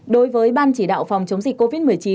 đối với ban chỉ đạo phòng chống dịch covid một mươi chín